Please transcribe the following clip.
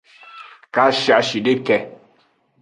Kaciashideke.